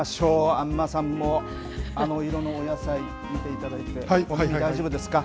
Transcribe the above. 安間さんも、あの色のお野菜、見ていただいて大丈夫ですか？